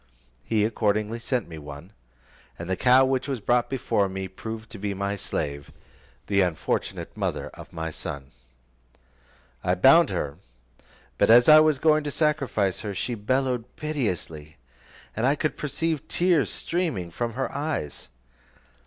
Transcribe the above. He accordingly sent me one, and the cow which was brought me proved to be my slave, the unfortunate mother of my son. I bound her, but as I was going to sacrifice her, she bellowed piteously, and I could perceive tears streaming from her eyes.